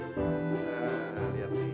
aku gak lapar